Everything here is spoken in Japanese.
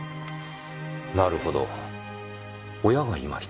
なるほど親がいましたね。